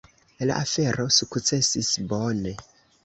La afero sukcesis bone.